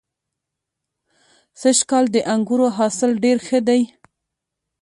سږ کال د انګورو حاصل ډېر ښه دی.